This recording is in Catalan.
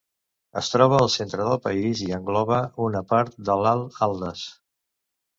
Es troba al centre del país, i engloba una part de l'Alt Atles.